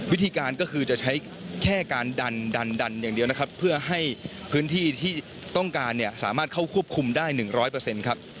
วิธีการก็คือจะใช้แค่การดันดันอย่างเดียวนะครับเพื่อให้พื้นที่ที่ต้องการเนี่ยสามารถเข้าควบคุมได้๑๐๐ครับ